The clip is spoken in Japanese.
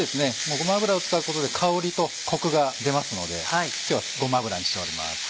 ごま油を使うことで香りとコクが出ますので今日はごま油にしております。